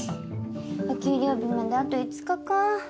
お給料日まであと５日か。